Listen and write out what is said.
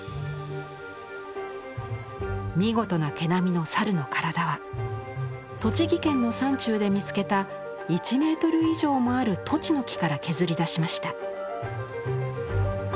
見事な毛並みの猿の体は栃木県の山中で見つけた１ｍ以上もあるトチノキから削り出しました。